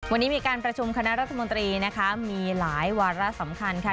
วันนี้มีการประชุมคณะรัฐมนตรีนะคะมีหลายวาระสำคัญค่ะ